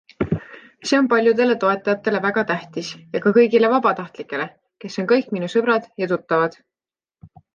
See on paljudele toetajatele väga tähtis ja ka kõigile vabatahtlikele, kes on kõik minu sõbrad ja tuttavad.